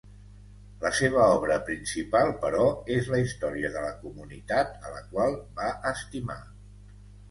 La seva obra principal, però, és la història de la comunitat a la qual va estimar.